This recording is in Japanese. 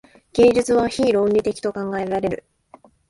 芸術は非論理的と考えられる。